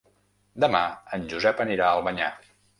Demà en Josep anirà a Albanyà.